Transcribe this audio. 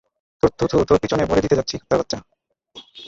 তোর থুথু তোর পিছনে ভরে দিতে যাচ্ছি, কুত্তার বাচ্চা!